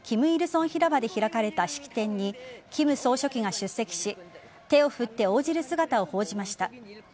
成広場で開かれた式典に金総書記が出席し手を振って応じる姿を報じました。